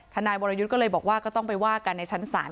นายวรยุทธ์ก็เลยบอกว่าก็ต้องไปว่ากันในชั้นศาล